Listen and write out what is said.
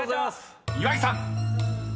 ［岩井さん］